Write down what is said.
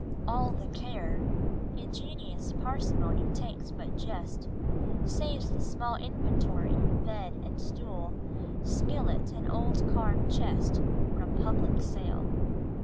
... All the care Ingenious parsimony takes but just Saves the small inventory, bed and stool, Skillet and old carved chest, from public sale."